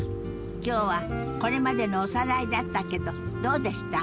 今日はこれまでのおさらいだったけどどうでした？